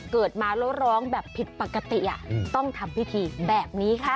เกิดมาแล้วร้องแบบผิดปกติต้องทำพิธีแบบนี้ค่ะ